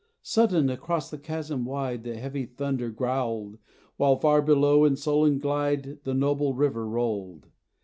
Sudden, across the chasm wide The heavy thunder growled, While far below in sullen glide The noble river rolled.